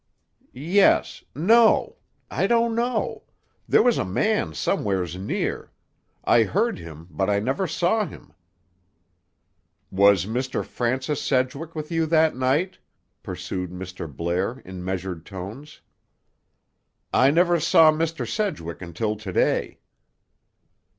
"Yes. No. I don't know. There was a man somewheres near. I heard him, but I never saw him." "Was Mr. Francis Sedgwick with you that night?" pursued Mr. Blair in measured tones. "I never saw Mr. Sedgwick until to day."